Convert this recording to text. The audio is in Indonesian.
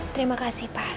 terima kasih pak